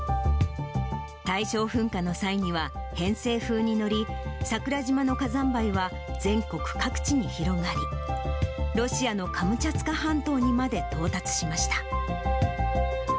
大正噴火の際には、偏西風に乗り、桜島の火山灰は全国各地に広がり、ロシアのカムチャツカ半島にまで到達しました。